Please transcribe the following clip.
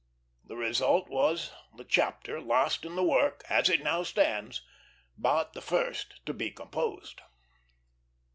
The result was the chapter last in the work, as it now stands, but the first to be composed.